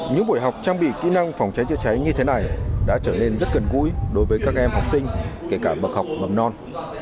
những buổi học trang bị kỹ năng phòng cháy chữa cháy như thế này đã trở nên rất gần gũi đối với các em học sinh kể cả bậc học mầm non